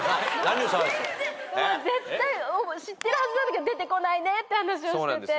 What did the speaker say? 絶対知ってるはずなんだけど出てこないねって話をしてて。